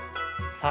さあ